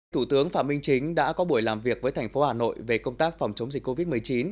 thủ tướng phạm minh chính đã có buổi làm việc với thành phố hà nội về công tác phòng chống dịch covid một mươi chín